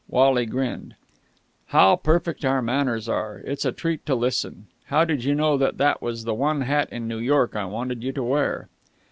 Wally grinned. "How perfect our manners are! It's a treat to listen! How did you know that that was the one hat in New York I wanted you to wear?"